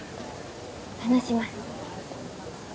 話します